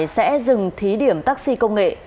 sẽ dừng thí điểm taxi công nghệ